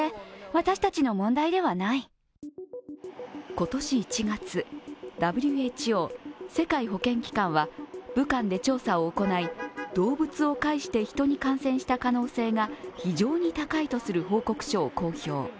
今年１月、ＷＨＯ＝世界保健機関は武漢で調査を行い、動物を介して人に感染した可能性が非常に高いとする報告書を公表。